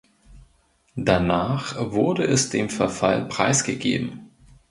Danach wurde es dem Verfall preisgegeben.